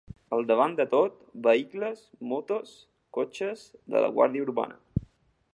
Al davant de tot, vehicles, motos, cotxes de la Guàrdia Urbana.